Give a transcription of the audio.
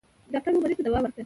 ډاکټر و مريض ته دوا ورکړه.